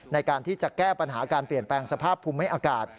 ในการที่จะแก้ปัญหาการเปลี่ยนแปลงสภาพภูมิให้อากาศ